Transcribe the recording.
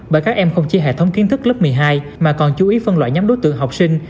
bởi các em không chỉ hệ thống kiến thức lớp một mươi hai mà còn chú ý phân loại nhóm đối tượng học sinh